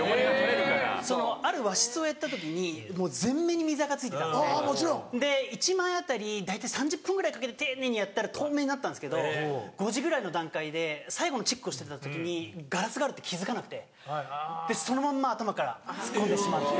ある和室をやった時に全面に水あか付いてたので１枚当たり大体３０分ぐらいかけて丁寧にやったら透明になったんですけど５時ぐらいの段階で最後のチェックをしてた時にガラスがあるって気付かなくてそのまんま頭から突っ込んでしまって。